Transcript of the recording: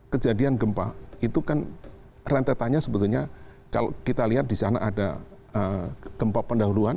kejadian gempa itu kan rentetannya sebetulnya kalau kita lihat di sana ada gempa pendahuluan